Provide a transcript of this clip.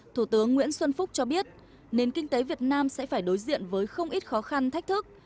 thủ tướng nguyễn xuân phúc cho biết nền kinh tế việt nam sẽ phải đối diện với không ít khó khăn thách thức